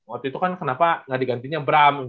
waktu itu kan kenapa nggak digantinya bram